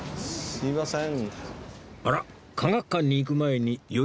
すいません。